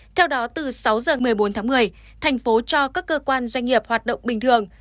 theo đó từ sáu h một mươi bốn tháng một mươi thành phố cho các cơ quan doanh nghiệp hoạt động bình thường